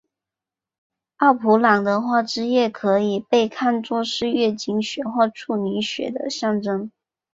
奥布朗的花汁液可以被看做是月经血或处女血的象征。